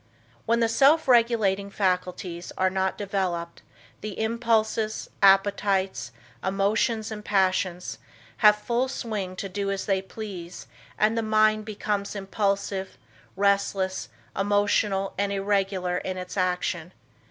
When the self regulating faculties are not developed the impulses, appetites, emotions and passions have full swing to do as they please and the mind becomes impulsive, restless, emotional and irregular in its action.